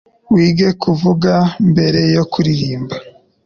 Wige kuvuga mbere yo kuririmba